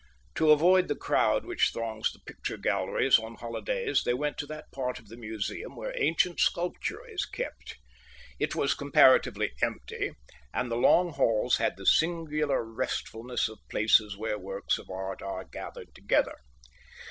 To avoid the crowd which throngs the picture galleries on holidays, they went to that part of the museum where ancient sculpture is kept. It was comparatively empty, and the long halls had the singular restfulness of places where works of art are gathered together.